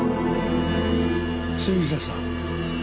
杉下さん。